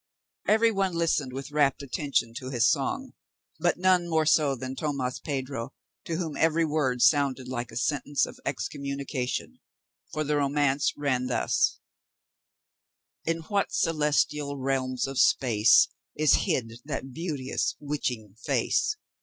Everybody listened with rapt attention to his song, but none more so than Tomas Pedro, to whom every word sounded like a sentence of excommunication, for the romance ran thus: In what celestial realms of space Is hid that beauteous, witching face?